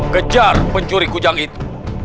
kejar pencuri kujang itu